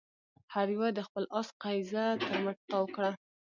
هر يوه د خپل آس قيضه تر مټ تاو کړه.